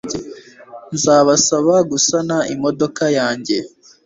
nzabasaba gusana imodoka yanjye